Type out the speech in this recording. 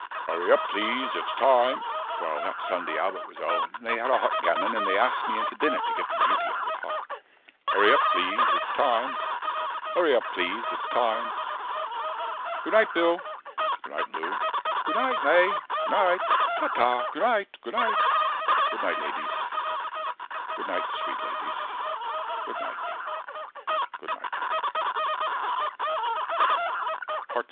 HURRY UP PLEASE IT'S TIME Well, that Sunday Albert was home, they had a hot gammon, And they asked me in to dinner, to get the beauty of it hot— HURRY UP PLEASE IT'S TIME HURRY UP PLEASE IT'S TIME Goonight Bill. Goonight Lou. Goonight May. Goonight. 170 Ta ta. Goonight. Goonight. Good night, ladies, good night, sweet ladies, good night, good night.